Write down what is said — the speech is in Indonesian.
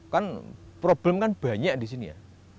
kan problem kan banyak di sini ya